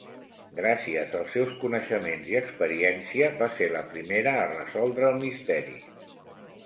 Gràcies als seus coneixements i experiència, va ser la primera a resoldre el misteri.